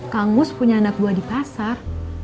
kang mus punya anak buah di pasar